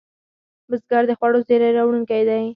بزګر د خوړو زېری راوړونکی دی